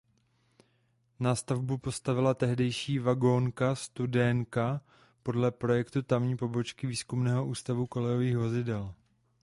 Nástavbu postavila tehdejší Vagónka Studénka podle projektu tamní pobočky Výzkumného ústavu kolejových vozidel.